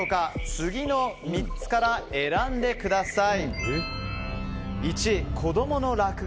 次の３つから選んでください。